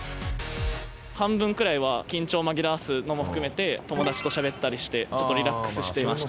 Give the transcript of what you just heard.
半分くらいは緊張を紛らわすのも含めて友達としゃべったりしてちょっとリラックスしていました。